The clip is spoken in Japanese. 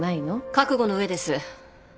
覚悟の上です。